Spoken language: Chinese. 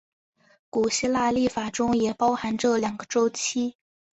古希腊历法中也包含这两个周期。